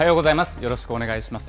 よろしくお願いします。